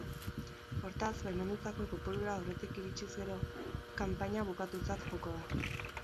Hortaz, baimendutako kopurura aurretik iritsiz gero, kanpaina bukatutzat joko da.